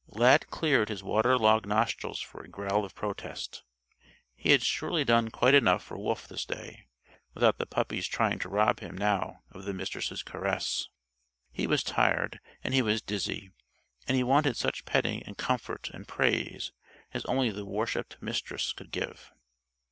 Lad cleared his water logged nostrils for a growl of protest. He had surely done quite enough for Wolf this day, without the puppy's trying to rob him now of the Mistress' caress. He was tired, and he was dizzy; and he wanted such petting and comfort and praise as only the worshipped Mistress could give.